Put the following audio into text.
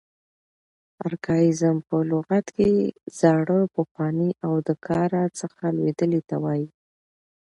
ارکاییزم په لغت کښي زاړه، پخواني او د کاره څخه لوېدلي ته وایي.